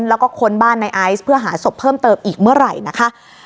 แล้วก็ค้นบ้านในไอซ์เพื่อหาศพเพิ่มเติมอีกเมื่อไหร่นะคะ